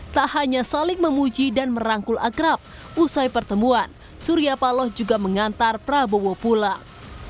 tak hanya saling memuji dan merangkul akrab usai pertemuan surya paloh juga mengantar prabowo pulang